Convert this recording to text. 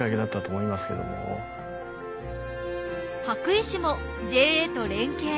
羽咋市もＪＡと連携。